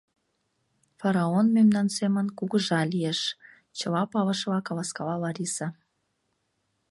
Фараон мемнан семын «кугыжа» лиеш, — чыла палышыла каласкала Лариса.